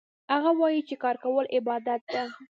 هغه وایي چې کار کول عبادت ده